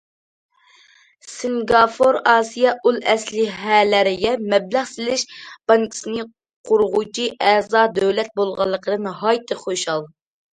سىنگاپور ئاسىيا ئۇل ئەسلىھەلەرگە مەبلەغ سېلىش بانكىسىنى قۇرغۇچى ئەزا دۆلەت بولغانلىقىدىن ناھايىتى خۇشال.